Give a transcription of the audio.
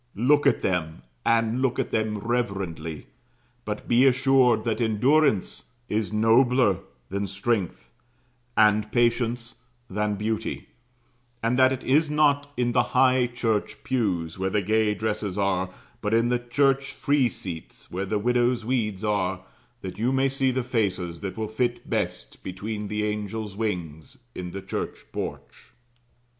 Look at them, and look at them reverently; but be assured that endurance is nobler than strength, and patience than beauty; and that it is not in the high church pews, where the gay dresses are, but in the church free seats, where the widows' weeds are, that you may see the faces that will fit best between the angels' wings, in the church porch.